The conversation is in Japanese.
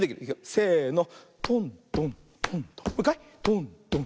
せの。